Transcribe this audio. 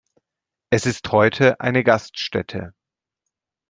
Es ist heute eine Gaststätte.